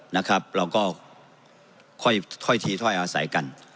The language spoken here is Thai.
นะครับเราก็ค่อยทีถ้อยอาศัยกัน